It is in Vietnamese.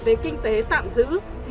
về kinh tế tạm giữ